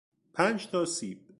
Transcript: پنج تا سیب